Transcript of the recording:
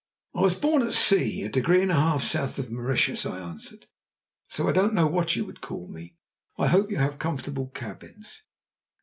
"I was born at sea, a degree and a half south of Mauritius," I answered; "so I don't know what you would call me. I hope you have comfortable cabins?"